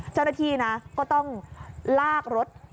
เจ้าหน้าที่นะก็ต้องลากรถ